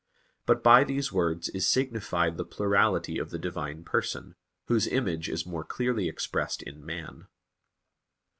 But by these words is signified the plurality of the Divine Person, Whose image is more clearly expressed in man.